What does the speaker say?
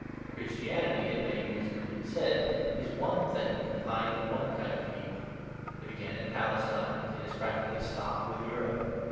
Christianity (it may reasonably be said) is one thing confined to one kind of people; it began in Palestine, it has practically stopped with Europe.